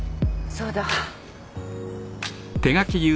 そうだ。